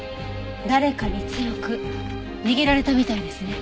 誰かに強く握られたみたいですね。